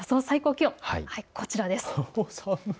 最高気温はこちらです。